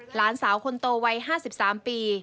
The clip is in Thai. หลานสาวคนโตวัย๕๓ปี